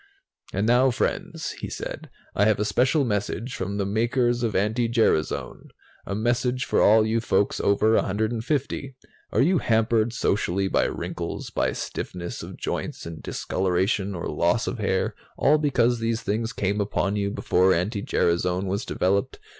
"And now, friends," he said, "I have a special message from the makers of anti gerasone, a message for all you folks over 150. Are you hampered socially by wrinkles, by stiffness of joints and discoloration or loss of hair, all because these things came upon you before anti gerasone was developed?